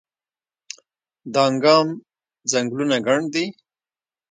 دانګام ځنګلونه ګڼ دي؟